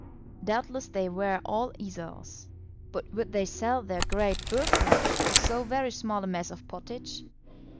Doubtless they were all Esaus; but would they sell their great birthright for so very small a mess of pottage?